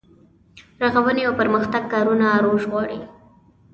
رغونې او پرمختګ کارونه روش غواړي.